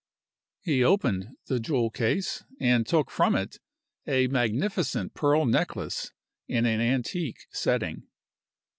He opened the jewel case, and took from it a magnificent pearl necklace in an antique setting.